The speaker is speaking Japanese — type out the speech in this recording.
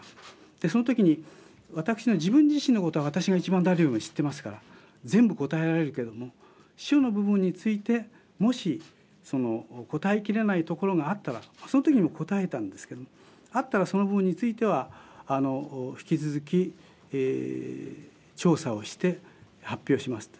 そのときに私の自分自身のことは私が誰よりも知ってますから全部答えられるけれども秘書の部分について、もし答えきれないところがあったらそのときも答えたんですけどあったら、その部分については引き続き調査をして発表しますと。